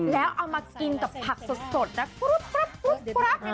แล้วเอามากินกับผักสดนะปุ๊บปุ๊บปุ๊บปุ๊บปุ๊บ